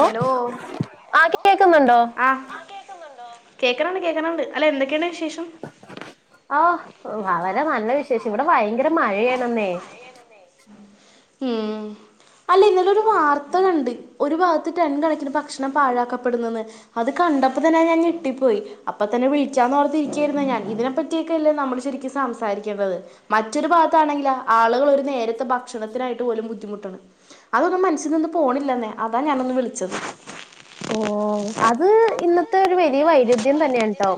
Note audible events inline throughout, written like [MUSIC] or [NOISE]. Hello hello ആഹ് കേകുന്നുണ്ടോ? കേൾക്കാനാണ് കേൾക്കാനുണ്ട് അല്ല എന്തൊക്കെയാണ് വിശേഷം? അഹ് വളരെ നല്ല വിശേഷം ഇവിടെ ഭയങ്കര മഴയാണെന്നേ. ഉം അല്ല ഇന്നലെ ഒരു വാർത്ത കണ്ട് ഒരു ഭാഗ ട്ടൺ കണക്കിന് ഭക്ഷണം പാഴാക്കപ്പെടുന്നുന്ന് അത് കണ്ടപ്പോ തന്നെ ഞാ ഞെട്ടിപ്പോയി. അപ്പൊ തന്നെ വിളിക്യന്ന് ഓർത്തിക്കായിരുന്ന് ഞാൻ ഇതിനെപ്പറ്റിയൊക്കെ അല്ലേ നമ്മള് ശരിക്കും സംസാരിക്കേണ്ടത്. മറ്റൊരു ഭാഗത്താണെങ്കിലൊ ആളുകൾ ഒരു നേരത്തെ ഭക്ഷണത്തിനായിട്ട് പോലും ബുദ്ധിമുട്ട്ണ്. അതൊന്നും മനസ്സിൽ നിന്നന്ന് പോണില്ലെന്നേ അതാ ഞാനൊന്ന് വിളിച്ചത്. ഓ അത് ഇന്നത്തെ ഒരു വലിയ വൈരുദ്ധ്യം തന്നെയാണ് ട്ടോ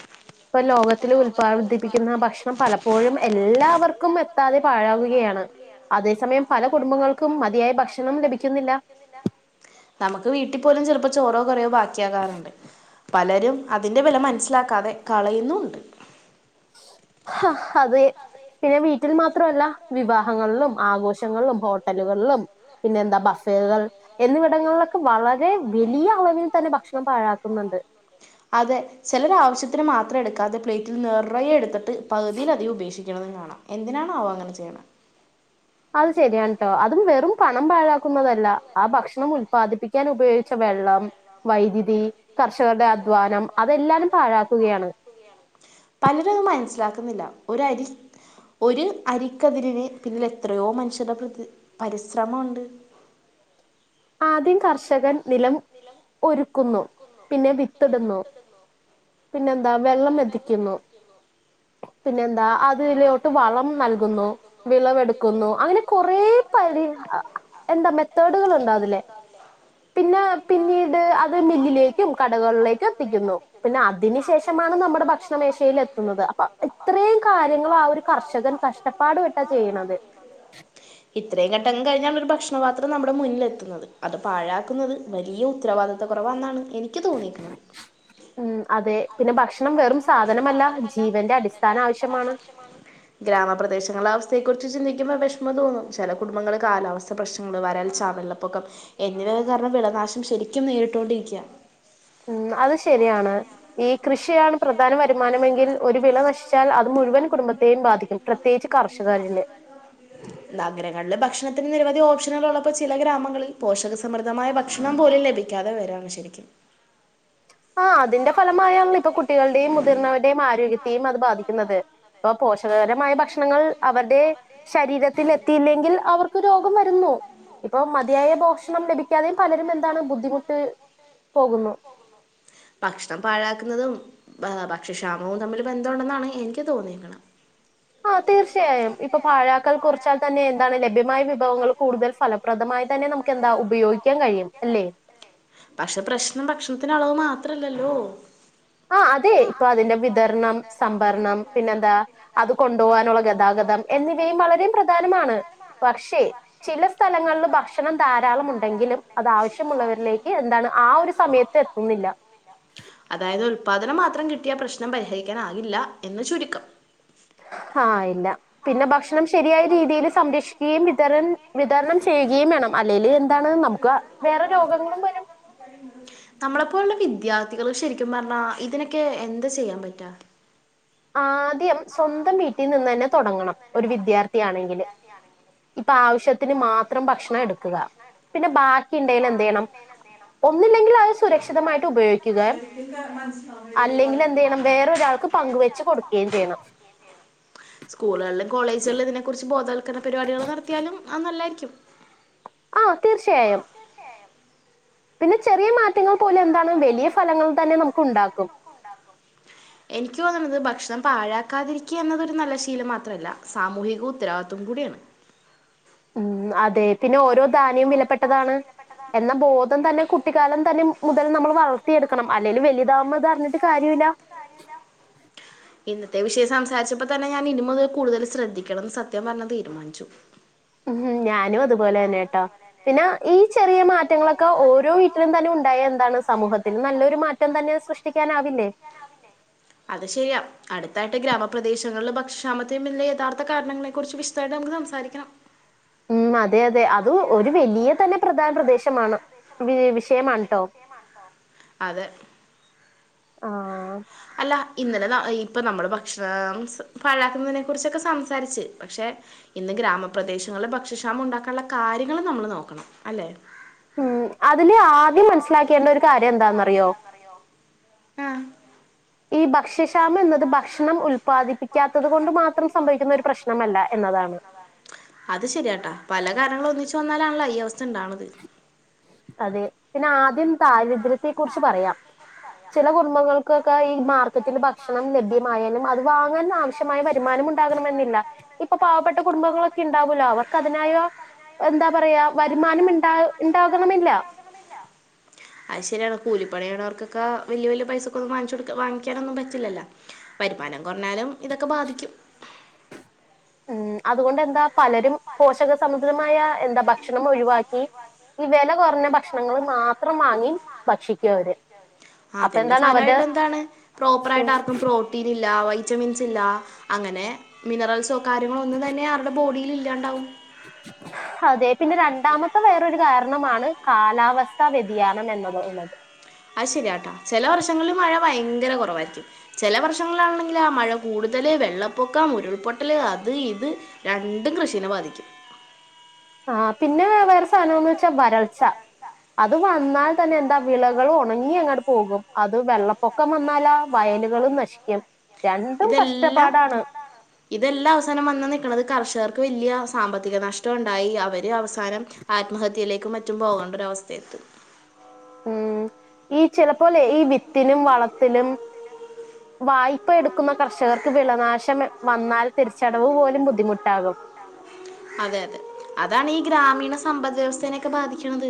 [INAUDIBLE] ഇപ്പൊ ലോകത്തില് ഉല്പാദിപ്പിക്കുന്ന ഭക്ഷണം പലപ്പോഴും എല്ലാവർക്കും എത്താതെ പാഴാവുകയാണ് അതേ സമയം പല കുടുംബങ്ങൾക്കും മതിയായ ഭക്ഷണം ലഭിക്കുന്നില്ല നമുക്ക് വീട്ടിൽ പോലും ചെറുപ്പ ചോറോ കൊറിയോ ബാക്കിയാകാറുണ്ട് പലരും അതിന്റെ വെല മനസ്സിലാക്കാതെ കളയുന്നുണ്ട് അഹ് അതെ പിന്നെ വീട്ടിൽ മാത്രമല്ല വിവാഹങ്ങളിലും ആഘോഷങ്ങളിലും ഹോട്ടലുകളിലും പിന്നെ എന്താ ബഫേകൾ എന്നിവിടങ്ങളിലൊക്കെ വളരെ വെലിയ അളവിൽ തന്നെ ഭക്ഷണം പാഴാക്കുന്നുണ്ട് അതെ ചെലരാവശ്യത്തിന് മാത്രം എടുക്കാതെ പ്ലേറ്റിൽ നിറയെ എടുത്തിട്ട് പകുതിയിലധികം ഉപേക്ഷിക്ക ണത കാണാം എന്തിനാണാവോ അങ്ങനെ ചെയ്യണെ അത് ശരിയാണ് ട്ടോ അതും വെറും പണം പാഴാക്കുന്നതല്ല ആ ഭക്ഷണം ഉത്പാദിപ്പിക്ക പിക്കാൻ ഉപയോഗിച്ച വെള്ളം വൈദ്യുതി കർഷകരുടെ അധ്വാനം അതെല്ലാരും പാഴാക്കുകയാണ് പലരും അത് മനസ്സിലാക്കുന്നില്ല ഒരരി ഒരു അരിക്കതിരിന് പിന്നിൽ എത്രയോ മനുഷ്യരുടെ പ്രതി പരിശ്രമണ്ട് ആദ്യം കർഷകൻ നിലം ഒരുക്കുന്നു പിന്നെ വിത്തിടുന്നു പിന്നെന്താ വെള്ളം എത്തിക്കുന്നു പിന്നെന്താ അതയിലോട്ട് വളം നൽകുന്നു വിളവെടുക്കുന്നു. അങ്ങനെ കൊറേ പരി, ഈഹ് എന്താ മെത്തേഡുകൾ ഉണ്ടതി ല്ലെ. പിന്നെ പിന്നീട് അത് മില്ലിലേക്കും കടകളിലേക്കും എത്തിക്കുന്നു. പിന്നെ അതിന് ശേഷമാണ് നമ്മുടെ ഭക്ഷണം മേശയില് എത്തുന്നത് അപ്പൊ ഇത്രയും കാര്യങ്ങള് ആ ഒരു കർഷകൻ കഷ്ടപ്പാട് പെട്ടാ ചെയ്യണത്. ഇത്രയും ഘട്ടം കഴിഞ്ഞാണല്ലോ ഒരു ഭക്ഷണപാത്രം നമ്മുടെ മുന്നിലെത്തുന്നത്. അത് പാഴാക്കുന്നത് വലിയ ഉത്തരവാദി അത് കുറവാന്നാണ് എനിക്ക് തോന്നിയിട്ടുള്ളത്. ഉം അതെ. പിന്നെ ഭക്ഷണം വെറും സാധനമല്ല ജീവന്റെ അടിസ്ഥാന ആവശ്യമാണ്. ഗ്രാമപ്രദേശങ്ങളെ അവസ്ഥയെ കുറിച്ച് ചിന്തിക്കുമ്പോ വിഷമം തോന്നും. ചില കുടുംബങ്ങള് കാലാവസ്ഥ പ്രശ്ന വരൾച്ച വെള്ളപ്പൊക്കം എന്നിവയെ കാരണം വിളനാശം ശരിക്കും നേരിട്ടുകൊണ്ടിരിക്കയാ. ഉം അത് ശരിയാണ്. ഈ കൃഷിയാണ് പ്രധാന വരുമാനമെങ്കിൽ ഒരു വിള നശിച്ചാൽ അത് മുഴുവൻ കുടുംബത്തെയും ബാധിക്കും. പ്രത്യേകിച്ച് കർഷകരിലെ [INAUDIBLE] നഗരങ്ങളിൽ ഭക്ഷണത്തിന് നിരവധി ഓപ്ഷനുകൾ ഉള്ളപ്പോൾ ചില ഗ്രാമങ്ങളിൽ പോഷക സമൃദ്ധമായ ഭക്ഷണം പോലും ലഭി ക്കാതെ വരാണ് ശരിക്കും. ആഹ് അതിന്റെ ഫലമായാണ് ഇപ്പൊ കുട്ടികളുടെയും മുതിർന്നവരുടെയും ആരോഗ്യത്തെയും അത് ബാധിക്കുന്നത്. ഇപ്പൊ പോഷകകരമായ ഭക്ഷണങ്ങൾ അവരുടെ ശരീരത്തിൽ എത്തിയില്ലെങ്കിൽ അവർക്ക് രോഗം വരുന്നു. ഇപ്പൊ മതിയായ പോഷണം ലഭി ക്കാതെയും പലരും എന്താണ് ബുദ്ധിമുട്ട് പോകുന്നു. ഭക്ഷണം പാഴാക്കുന്നതും ഭക്ഷ ക്ഷാമവും തമ്മിൽ ബന്ധമുണ്ടെന്നാണ് എനിക്ക് തോന്നിയേക്കണെ. ആഹ് തീർച്ചയായും. ഇപ്പൊ പാഴാക്കൽ കുറച്ചാൽ തന്നെ എന്താണ് ലഭ്യമായ വിഭവങ്ങൾ കൂടുതൽ ഫല പ്രദമായി തന്നെ നമുക്ക് എന്താ ഉപയോഗിക്കാൻ കഴിയും, അല്ലെ? പക്ഷെ പ്രശ്നം ഭക്ഷണത്തിന്റെ അളവ് മാത്രല്ലല്ലോ? ആഹ് അതെ ഇപ്പൊ അതിന്റെ വിതരണം സംഭരണം പിന്നെന്താ അത് കൊണ്ടുപോകാനുള്ള ഗതാഗതം എന്നിവയും വളരെ പ്രധാനമാണ്. പക്ഷേ ചില സ്ഥലങ്ങളില് ഭക്ഷണം ധാരാളം ഉണ്ടെങ്കിലും അത് ആവശ്യമുള്ളവരിലേക്ക് എന്താണ് ആ ഒരു സമയത്ത് എത് തുന്നില്ല. അതായത് ഉല്പാദനം മാത്രം കിട്ടിയാ പ്രശ്നം പരിഹരിക്കാനാകില്ല എന്ന് ചുരുക്കം. ആഹ് ഇല്ല. പിന്നെ ഭക്ഷ ണം ശരിയായ രീതിയിൽ സംരക്ഷിക്കുകയും വിതര വിതരണം ചെയ്യുകയും വേണം. അല്ലേല് എന്താണ് നമുക്ക വേറെ രോഗങ്ങളും വരും. നമ്മളെപ്പോലുള്ള വിദ്യാർത്ഥികള് ശരിക്കും പറഞ്ഞാ ഇതിനൊക്കെ എന്താ ചെയ്യാൻ പറ്റാ? ആദ്യം സ്വന്തം വീട്ടിൽ നിന്ന് തന്നെ തുടങ്ങണം ഒരു വിദ്യാർത്ഥി ആണെങ്കില്. ഇപ്പൊ ആവശ്യത്തിന് മാത്രം ഭക്ഷണം എടുക്കുക. പിന്നെ ബാക്കി ഉണ്ടേല് എന്ത് ചെയ്യണം ഒന്നില്ലെങ്കിൽ അത് സുരക്ഷിതമായിട്ട് ഉപയോഗിക്കുക. അല്ലെങ്കിൽ എന്ത് ചെയ്യണം വേറൊരാൾക്ക് പങ്ക് വെച്ച് കൊടുക്കുകയും ചെയ്യണം. സ്കൂളുകളിലും കോളേജുകളിലും ഇതിനെ കുറിച്ച് ബോധവൽ ക്കരണ പരിപാടികൾ നടത്തിയാലും അത് നല്ലതായിരിക്കും. ആഹ് തീർച്ചയായും. പിന്നെ ചെറിയ മാറ്റങ്ങൾ പോലും എന്താണ് വലിയ ഫലങ്ങൾ തന്നെ നമുക്ക് ഉണ്ടാക്കും. എനിക്ക് തോന്നുന്നത് ഭക്ഷണം പാഴാക്കാതിരിക്കുക എന്നത് ഒരു നല്ല ശീലം മാത്രല്ല സാമൂഹിക ഉത്തരവാദിത്വം കൂടിയാണ്. ഉം അതേ പിന്നെ ഓരോ ധാന്യവും വിലപ്പെട്ടതാണ്. എന്ന ബോധം തന്നെ കുട്ടിക്കാലം തന്നെ മുതൽ നമ്മൾ വളർത്തിയെടുക്കണം. അല്ലേല് വലുതാമ്പൊ ഇതറിഞ്ഞിട്ട് കാര്യമില്ല. ഇന്നത്തെ വിഷയം സംസാരിച്ചപ്പോ തന്നെ ഞാൻ ഇനി മുതൽ കൂടുതൽ ശ്രദ്ധിക്കണംന്ന് സത്യം പറഞ്ഞാ തീരുമാനിച്ചു. ഞാനും അതുപോലെ തന്നെട്ടോ പിന്നെ ഈ ചെറിയ മാറ്റങ്ങളൊക്കെ ഓരോ വീട്ടിലും തന്നെ ഉണ്ടായ എന്താണ് സമൂഹത്തിൽ നല്ലൊരു മാ റ്റം തന്നെ സൃഷ്ടിക്കാനാവില്ലേ അത് ശരിയാ അടുത്തായിട്ട് ഗ്രാമപ്രദേശങ്ങളിൽ ഭക്ഷഷാമത്തെ പിന്നെ യഥാർത്ഥ കാരണങ്ങളെ കുറിച്ച് വിശദമായിട്ട് നമുക്ക് സംസാരിക്കണം ഉം അതെ അതെ അത് ഒരു വലിയ തന്നെ പ്രധാന പ്രദേശമാണ് വി വിഷയമാണുട്ടോ അതെ അല്ല ഇന്നലെ ഇപ്പൊ നമ്മള് ഭക്ഷണം പാഴാക്കുന്നതിനെ കുറിച്ചൊക്കെ സംസാരിച്ച് പക്ഷെ ഇന്ന് ഗ്രാമപ്രദേശങ്ങളിൽ ഭക്ഷ്യക്ഷാമം ഉണ്ടാക്കാനുള്ള കാര്യങ്ങളൾ നമ്മൾ നോക്കണം അല്ലെ ഉം അതില് ആദ്യം മനസ്സിലാക്കേണ്ട ഒരു കാര്യം എന്താന്നറിയോ ആഹ് ഈ ഭക്ഷ്യക്ഷാമം എന്നത് ഭക്ഷണം ഉത്പാദിപ്പിക്കാത്തത് കൊണ്ട് മാത്രം സംഭവിക്കുന്ന ഒരു പ്രശ് നമല്ല എന്നതാണ് അത് ശരിയാട്ടാ പല കാരണങ്ങളും ഒന്നിച്ചു വന്നാലാണല്ലോ ഈ അവസ്ഥ ഉണ്ടാവണത് അതെ പിന്നെ ആദ്യം ദാരിദ്ര്യത്തെ കുറിച്ച് പറയാം ചില കുടുംബങ്ങൾ ക്ക് ഒക്കെ ഈ മാർക്കറ്റിൽ ഭക്ഷണം ലഭ്യമായാലും അത് വാങ്ങാൻ ആവശ്യമായ വരുമാനം ഉണ്ടാകണമെന്നില്ല ഇപ്പൊ പാവപ്പെട്ട കുടുംബങ്ങളൊക്കെ ഉണ്ടാവല്ലോ അവർക്ക് അതിനായോ എന്താ പറയാ വരുമാനം ഇണ്ടാ ഇണ്ടാകണമില്ല അത് ശരിയാണ് കൂലിപ്പണി യണവർക്കൊക്കെ വലിയ വലിയ പൈസൊക്കൊന്നും വാങ്ങിച്ച് കൊടുക്കാൻ വാങ്ങിക്കാനൊന്നും പറ്റില്ലല്ലോ വരുമാനം കുറഞ്ഞാലും ഇതൊക്കെ ബാധിക്കും ഉം അതുകൊണ്ട് എന്താ പലരും പോഷക സമൃതമായ എന്താ ഭക്ഷണം ഒഴിവാക്കി ഈ വെല കുറഞ്ഞ ഭക്ഷണങ്ങൾ മാത്രം വാങ്ങി ഭക്ഷിക്കു അവര് ആ അതിന്റെ ഫലായിട്ട് എന്താണ് പ്രോപ്പർ ആയിട്ട് ആർക്കും പ്രോ ട്ടീന് ഇല്ല വൈറ്റമിൻസ് ഇല്ല അങ്ങനെ മിനറൽസോ കാര്യങ്ങളോ ഒന്നും തന്നെ അവരുടെ ബോഡിയിൽ ഇല്ലാണ്ടാവും അതെ പിന്നെ രണ്ടാമത്തെ വേറൊരു കാരണമാണ് കാലാവസ്ഥ വ്യതിയാനം എന്നതുള്ളത് അത് ശരിയാട്ടാ ചെല വർഷങ്ങളിൽ മഴ ഭയങ്കര കുറവായിരിക്കും ചെല വർഷങ്ങളിലാണെങ്കിലോ മഴ കൂടുതല് വെള്ളപ്പൊക്കം ഉരുൾപൊട്ടല് അത് ഇത് രണ്ടും കൃഷിനെ ബാധിക്കും ആഹ് പിന്നെ വേറെ സാധനന്ന് വെച്ചാ വരൾച്ച അത് വന്നാൽ തന്നെ എന്താ വിളകൾ ഉണങ്ങി അങ്ങട്ട് പോകും അത് വെള്ളപ്പൊക്കം വന്നാലാ വയലുകളും നശിക്കും ഇതെല്ലാം ഇതെല്ലാം അവസാനം വന്ന് നിക്ക്ണത് കർഷകർക്ക് വലിയ സാമ്പത്തിക നഷ്ടം ഉണ്ടായി അവര് അവസാനം ആത്മഹത്യയിലേക്കും മറ്റും പോകേണ്ട ഒരവസ്ഥയ എത്തും ഉം ഈ ചിലപ്പോലെ ഈ വിത്തിനും വളത്തിലും അ വായ്പ എടുക്കുന്ന കർഷകർക്ക് വിളനാശം വന്നാൽ തിരിച്ചടവ് പോലും ബുദ്ധിമുട്ടാകും അതെ അതെ അതാണ് ഈ ഗ്രാമീണ സമ്പദ് വ്യവസ്ഥേനൊക്കെ ബാധിക്ക്ണത്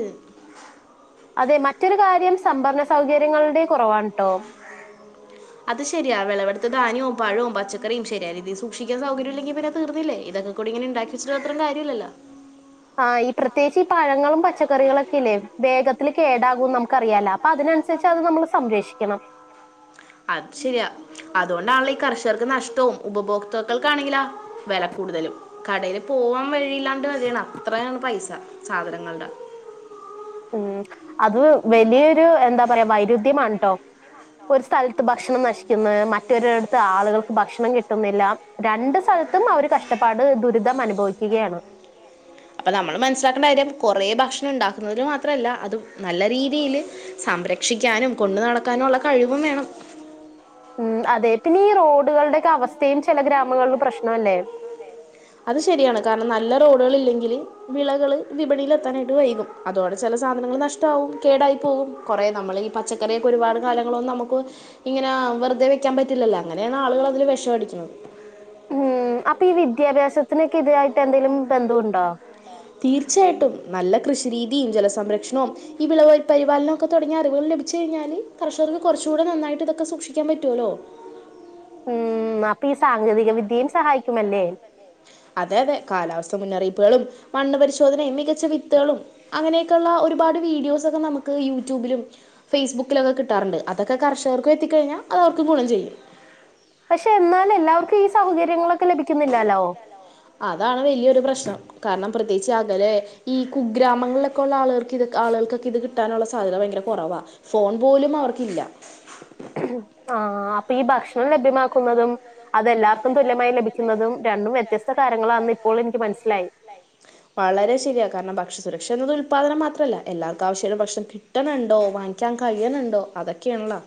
അതെ മറ്റൊരു കാര്യം സംഭരണ സൗകര്യങ്ങളുടെ കുറവാണ് ട്ടോ അത് ശരിയാ വിളവെടുത്ത് ധാന്യവും പഴവും പച്ചക്കറിയും ശരിയായ രീതിൽ സൂക്ഷിക്കാൻ സൗകര്യം ഇല്ലെങ്കി പിന്നെ തീർന്നില്ലേ ഇതക്കെ കൊടി ഇങ്ങനെ ഉണ്ടാക്കിച്ചിട്ട് മാത്രം കാര്യല്ലല്ലോ ആഹ് ഈ പ്രത്യേകിച്ച് ഈ പഴങ്ങളും പച്ചക്കറികളൊക്കെ ഇല്ലേ വേഗത്തിൽ കേടാകുംന്ന് നമുക്ക് അറിയാലാ അപ്പ അതിനനുസരിച്ച് അത് നമ്മള് സംരക്ഷിക്കണം അത് ശരിയാ അതുകൊണ്ടാണല്ലോ ഈ കർഷകർക്ക് നഷ്ടവും ഉപഭോക്താക്കൾക്കാണെങ്കിലാ വെല കൂടുതലും കടേല് പോവാൻ വഴിയില്ലാണ്ട് മതിയാണ്, അത്രയാണ് പൈസ സാധനങ്ങളുടെ ഉം അത് വലിയൊരു, എന്താ പറയാ, വൈരുദ്ധ്യമാണ് ട്ടോ ഒരു സ്ഥലത്ത് ഭക്ഷണം നശിക്കുന്നത്, മറ്റൊരുടത്ത് ആളുകൾക്ക് ഭക്ഷണം കിട്ടുന്നില്ല രണ്ട് സ്ഥലത്തും അവര് കഷ്ടപ്പാട് ദുരിതം അനുഭവിക്കുകയാണ് അപ്പൊ നമ്മൾ മനസ്സിലാക്കേണ്ട കാര്യം കുറേ ഭക്ഷണം ഉണ്ടാക്കുന്നതിൽ മാത്രല്ല അതു നല്ല രീതിയില് സംരക്ഷിക്കാനും കൊണ്ട് നടക്കാനും ഉള്ള കഴിവും വേണം ഉം അതെ പിന്നെ ഈ റോഡുകളുടെയൊക്കെ അവസ്ഥയും ചില ഗ്രാമങ്ങളിൽ പ്രശ്നം അല്ലേ അത് ശരിയാണ്, കാരണം നല്ല റോഡുകള് ഇല്ലെങ്കില് വിളകള് വിപണിയിലെത്താനായിട്ട് വൈകും, അതോടെ ചെല സാധനങ്ങള് നഷ്ടാവും, കേടായി പോകും കൊറെ നമ്മള് ഈ പച്ചക്കറിയൊക്കെ ഒരുപാട് കാലങ്ങളൊന്നും നമുക്ക് ഇങ്ങനെ വെറുതെ വെക്കാൻ പറ്റില്ലല്ലോ, അങ്ങനെയാണ് ആളുകള് അതില് വെഷം അടിക്കുന്നത് ഉം അപ്പൊ ഈ വിദ്യാഭ്യാസത്തിനൊക്കെ ഇതായിട്ട് എന്തെങ്കിലും ബന്ധം ഉണ്ടോ തീർച്ചയായിട്ടും. നല്ല കൃഷി രീതിയും ജലസംരക്ഷണവും ഈ വിള പരിപാലനം ഒക്കെ തുടങ്ങിയ അറിവുകൾ ലഭിച്ചു കഴിഞ്ഞാല് കർഷകർക്ക് കുറച്ചുകൂടെ നന്നായിട്ട് ഇതൊക്കെ സൂക്ഷിക്കാൻ പറ്റുവല്ലോ ഉം അപ്പൊ ഈ സാങ്കേതിക വിദ്യയും സഹായിക്കുമല്ലേ അതെ അതെ കാലാവസ്ഥ മുന്നറിയിപ്പുകളും, മണ്ണ് പരിശോധനയും, മികച്ച വിത്തുകളും അങ്ങനെയൊക്കെയുള്ള ഒരുപാട് വീഡിയോസൊക്കെ നമുക്ക് യൂട്യൂബിലും ഫേസ്ബുക്കിലൊക്ക കിട്ടാറുണ്ട്. അതൊക്ക കഷകർക്കും എത്തിക്കഴിഞ്ഞാൽ അത് അവർക്ക് ഗുണം ചെയ്യും പക്ഷെ എന്നാലും എല്ലാവർക്കും ഈ സൗകര്യങ്ങളൊക്കെ ലഭിക്കുന്നില്ലല്ലോ അതാണ് വലിയൊരു പ്രശ്നം കാരണം പ്രത്യേകിച്ച് അകലെ ഈ കുഗ്രാമങ്ങളിലൊക്കെ ഉള്ള ആളുകൾക്ക് ഇത് ആളുകൾക്കൊക്കെ ഇത് കിട്ടാനുള്ള സാധ്യത ഭയങ്കര കുറവാ. ഫോൺ പോലും അവർക്കില്ല. ആഹ് അപ്പൊ ഈ ഭക്ഷണം ലഭ്യമാക്കുന്നതും അതെല്ലാവർക്കും തുല്യമായി ലഭിക്കുന്നതും രണ്ടും വ്യത്യസ്ത കാര്യങ്ങളാണന്ന് ഇപ്പോൾ എനിക്ക് മനസ്സിലായി വളരെ ശരിയാ, കാരണം ഭക്ഷ്യ സുരക്ഷ എന്നത് ഉല്പാദനം മാത്രമല്ല, എല്ലാവർക്കും ആവശ്യമുള്ള ഭക്ഷണം കിട്ട കിട്ടണുണ്ടോ വാങ്ങിക്കാൻ കഴിയണുണ്ടോ, അതൊക്കെയാണല്ലോ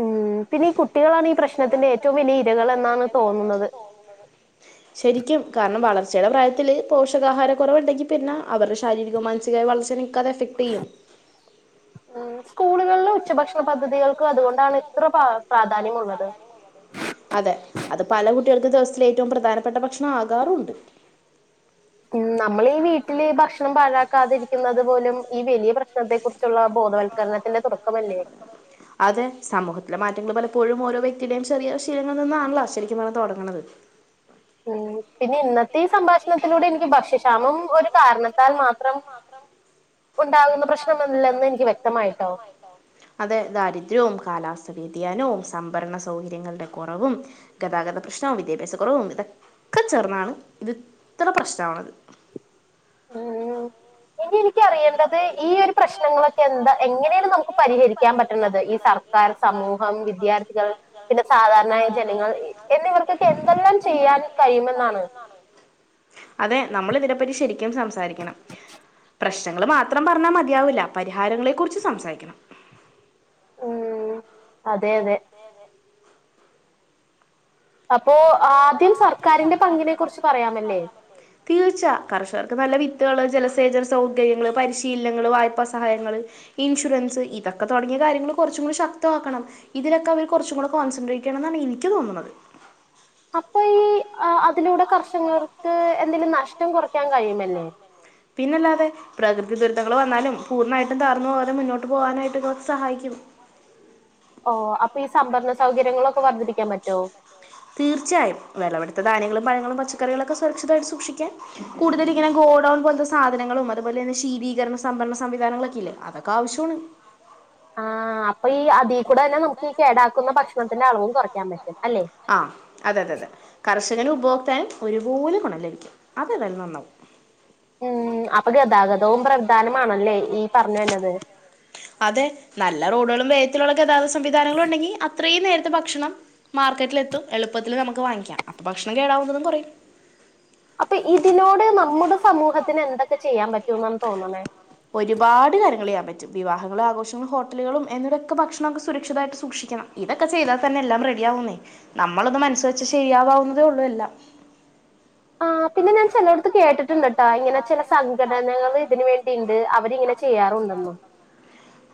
ഉം പിന്നെ ഈ കുട്ടികളാണ് ഈ പ്രശ്നത്തിന്റെ ഏറ്റവും വലിയ ഇരകൾ എന്നാണ് തോന്നുന്നത് ശരിക്കും, കാരണം വളർച്ചയുടെ പ്രായത്തില് പോഷകാഹാര കുറവുണ്ടെങ്കിൽ പിന്നെ അവരുടെ ശാരീരികവും മാന സികവും ആയ വളർച്ചേനെയൊക്കെ അത് അഫക്‌ട് ഉം സ്കൂളുകളിലെ ഉച്ചഭക്ഷണ പദ്ധതികൾക്ക് അതുകൊണ്ടാണ് ഇത്ര പ പ്രാധാന്യമുള്ളത് അതെ, അത് പല കുട്ടികൾക്കും ദിവസത്തിലെ ഏറ്റവും പ്രധാനപ്പെട്ട ഭക്ഷണം ആകാറും ഉണ്ട് ഉം നമ്മളീ വീട്ടില് ഭക്ഷണം പാഴാക്കാതിരിക്കുന്നത് പോലും ഈ വെലിയ പ്രശ്നത്തെ കുറിച്ച് ച്ചുള്ള ബോധവൽക്കരണത്തിന്റെ തുടക്കമല്ലേ അതെ, സമൂഹത്തിലെ മാറ്റങ്ങള് പലപ്പോഴും ഓരോ വ്യക്തിയുടെയും ചെറിയ ശീലങ്ങളിൽ നിന്നാണല്ലോ ശരിക്കും പറഞ്ഞാ തൊടങ്ങണത്. ഉം പിന്നെ ഇന്നത്തെ ഈ സംഭാഷണത്തിലൂടെ എനിക്ക് ഭക്ഷ്യക്ഷാമം ഒരു കാരണത്താൽ മാത്രം ഉണ്ടാകുന്ന പ്രശ്നം അല്ലന്ന് എനിക്ക് വ്യക്തമായിട്ടോ അതെ ദാരിദ്ര്യവും, കാലാവസ്ഥ വ്യതിയാനവും, സംഭരണ സൗകര്യങ്ങളുടെ കുറവും ഗതാഗത പ്രശ്നവും, വിദ്യാഭ്യാസ കുറവും, ഇതൊക്കെ ചേർന്നാണ് ഇത് ഇത്ര പ്രശ്നമാവണത് ആ ഇനി എനിക്ക് അറിയേണ്ടത് ഈ ഒരു പ്രശ്നങ്ങളൊക്കെ എന്താ എങ്ങനെയാണ് നമുക്ക് പരിഹരിക്കാൻ പറ്റണത് ഈ സർക്കാർ, സമൂഹം, വിദ്യാർത്ഥികൾ, പിന്നെ സാധാരണായ ജനങ്ങൾ എന്നിവർക്ക് എന്തെല്ലാം ചെയ്യാൻ കഴിയുമെന്നാണ് അതെ നമ്മള് ഇതിനെപ്പറ്റി ശരിക്കും സംസാരിക്കണം പ്രശ്നങ്ങൾ മാത്രം പറഞ്ഞാ മതിയാവൂല്ല പരിഹാരങ്ങളെ കുറിച്ചും സംസാരിക്കണം. ഉം അതെയതെ. അപ്പോ ആദ്യം സർക്കാരിന്റെ പങ്കിനെ കുറിച്ച് പറയാമല്ലേ. തീർച്ച. കർഷകർക് നല്ല വിത്തുകള്, ജലസേചന സൗകര്യങ്ങള്, പരിശീലനങ്ങള് വായ്പാ സഹായങ്ങള് ഇൻഷുറൻസ് ഇതൊക്കെ തുടങ്ങിയ കാര്യങ്ങള് കുറച്ചും കൂടി ശക്ത്മാക്കണം. ഇതിലൊക്കെ അവര് കുറച്ചുംകൂടെ കോൺസെട്രേറ്റ് ചെയ്യണംന്നാണ് എനിക്ക് തോന്ന്ണത്. അപ്പ ഈ അ അതിലൂടെ കർഷകർക്ക് എന്തെങ്കിലും നഷ്ടം കുറയ്ക്കാൻ കഴിയുമല്ലേ. പിന്നല്ലതെ. പ്രകൃതി ദുരിതങ്ങൾ വന്നാലും പൂർണ്ണമായിട്ടും തകർന്നു പോവാതെ മുന്നോട്ട് പോകാനായിട്ട് കൊ സഹായിക്കും. ഓഹ് അപ്പൊ ഈ സംഭരണ സൗകര്യങ്ങളൊക്കെ വർദ്ധിപ്പിക്കാൻ പറ്റോ. തീർച്ചയായും. വിളവെടുത്ത ധാന്യങ്ങളും പഴങ്ങളും പച്ചക്കറികളൊക്കെ സുരക്ഷിതായ്ട്ട് സൂക്ഷിക്കാൻ കൂടുതൽ ഇങ്ങനെ ഗോഡൗൺ പോലത്തെ സാധനങ്ങളും അതുപോലെ തന്നെ ശീതീകരണ സംഭരണ സംവിധാനങ്ങളൊക്കയില്ലേ. അതൊക്കെ ആവശ്യവാണ്. ആഹ് അപ്പ ഈ അതീ കൂടെ തന്നെ നമ്മുക്ക് ഈ കേടാക്കുന്ന ഭക്ഷണത്തിന്റെ അളവും കുറയ്ക്കാൻ പറ്റും അല്ലെ. ആഹ് അതെ അതെ അതെ. കർഷകനും ഉപഭോക്താവിനും ഒരുപോലെ ഗുണം ലഭിക്കും. അതെതായാലും നന്നാവും. ഉം. അപ്പ ഗതാഗതവും പ്രധാനമാണല്ലേ ഈ പറഞ്ഞു വര്നത്. അതെ. നല്ല റോഡുകളും വേഗത്തിലുള്ള ഗതാഗത സംവിധാനങ്ങളും ഉണ്ടെങ്കി അത്രയും നേരത്തെ ഭക്ഷണം മാർക്കറ്റിൽ എത്തും. എളുപ്പത്തിൽ നമുക്ക് വാങ്ങിക്കാം അപ്പൊ ഭക്ഷണം കേടാവുന്നതും കുറയും. അപ്പൊ ഇതിനോട് നമ്മുടെ സമൂഹത്തിന് എന്തക്കെ ചെയ്യാൻ പറ്റൂംന്നാണ് തോന്ന്ണേ. ഒരുപാട് കാര്യങ്ങളെയ്യാൻ പറ്റും. വിവാഹങ്ങളും ആഘോഷങ്ങളും ഹോട്ടലുകളും എന്നിവടെയൊക്കെ ഭക്ഷണക്കെ സുരക്ഷിതായിട്ട് സൂക്ഷിക്കണം ഇതൊക്കെ ചെയ്താൽ തന്നെ എല്ലാം റെഡിയാവുംന്നേ. നമ്മളൊന്ന് മനസ് വെച്ചാ ശെരിയാകാവുന്നതെ ഉള്ളൂ എല്ലാം. ആഹ് പിന്നെ ഞാൻ ചെലോട്ത്ത് കേട്ടിട്ട്ണ്ട്ട്ടോ ഇങ്ങനെ ചില സംഘടനകൾ ഇതിന് വേണ്ടി ഇണ്ട്. അവരിങ്ങനെ ചെയ്യാറുണ്ടെന്നും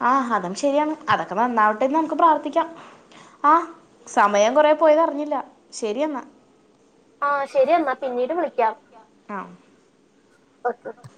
ആഹ്. അതും ശരിയാണ് അതൊക്കെ നന്നാവട്ടേന്ന് നമുക്ക് പ്രാർത്ഥിക്കാം. ആഹ് സമയം കൊറെ പോയത് അറിഞ്ഞില്ല. ശരിയെന്നാ. ആഹ് ശരി എന്നാ പിന്നീട് വിളിക്കാം. ആഹ് [UNINTELLIGIBLE]